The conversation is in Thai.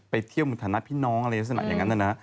ไปเที่ยวบนฐานะพี่น้องอะไรสมัยอย่างนั้นนะ